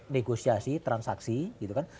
negosiasi transaksi gitu kan